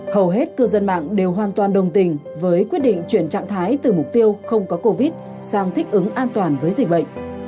hầu hết cư dân mạng đều hoàn toàn đồng tình với quyết định chuyển trạng thái từ mục tiêu không có covid sang thích ứng an toàn với dịch bệnh